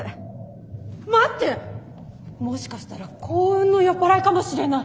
待ってもしかしたら幸運の酔っ払いかもしれない。